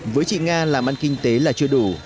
với chị nga làm ăn kinh tế là chưa đủ